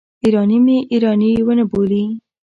ایراني مې ایراني ونه بولي.